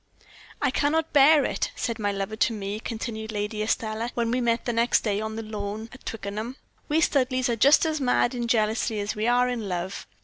"'I cannot bear it,' said my lover to me," continued Lady Estelle, "when we met the next day on the green lawn at Twickenham. 'We Studleighs are just as mad in jealousy as we are in love.